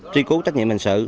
tri cú trách nhiệm hành sự